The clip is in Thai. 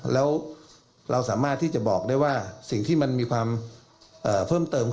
แล้วเราสามารถที่จะบอกได้ว่าสิ่งที่มันมีความเพิ่มเติม